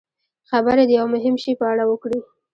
خبرې د یوه مهم شي په اړه وکړي.